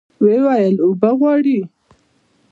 ويې ويل اوبه غواړي.